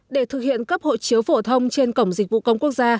để thực hiện cấp hộ chiếu phổ thông trên cổng dịch vụ công quốc gia